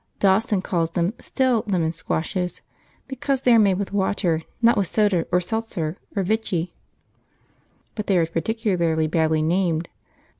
Dawson calls them 'still' lemon squashes because they are made with water, not with soda or seltzer or vichy, but they are particularly badly named.